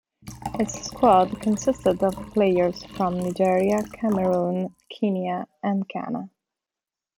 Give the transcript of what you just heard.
Its squad consisted of players from Nigeria, Cameroon, Kenya and Ghana.